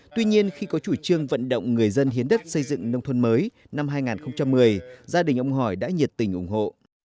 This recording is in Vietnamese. tuy nhiên khi có chủ trương vận động người dân hiến đất xây dựng nông thôn mới năm hai nghìn một mươi gia đình ông hỏi đã nhiệt tình ủng hộ